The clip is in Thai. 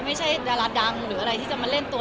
ไม่ใช่ดาราดังหรืออะไรที่จะมาเล่นตัว